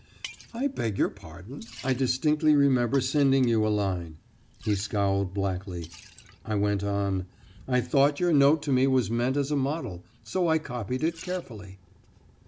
"I beg your pardon I distinctly remember sending you a line." He scowled blackly. I went on: "I thought your note to me was meant as a model, so I copied it carefully."